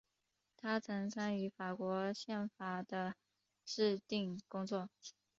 他曾参与法国宪法的制订工作。